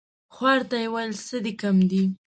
خوار ته يې ويل څه دي کم دي ؟